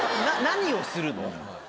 何をするの？